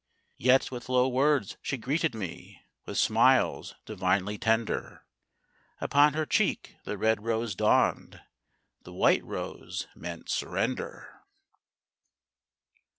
Yet with low words she greeted me, With smiles divinely tender; Upon her cheek the red rose dawned, The white rose meant surrender.